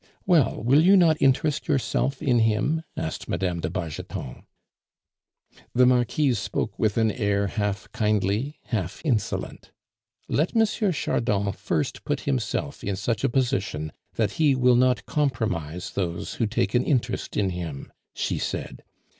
"Well, will you not interest yourself in him?" asked Mme. de Bargeton. The Marquise spoke with an air half kindly, half insolent. "Let M. Chardon first put himself in such a position that he will not compromise those who take an interest in him," she said.